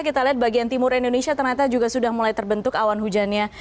kita lihat bagian timur indonesia ternyata juga sudah mulai terbentuk awan hujannya